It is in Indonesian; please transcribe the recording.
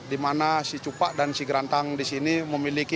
di mana si cupak dan si gerantang disini memiliki